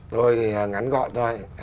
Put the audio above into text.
tôi thì ngắn gọn thôi